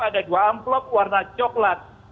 ada dua amplop warna coklat